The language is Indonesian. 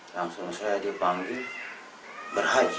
langsung saya dipanggil berhaji